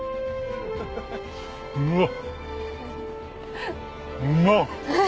うわっ！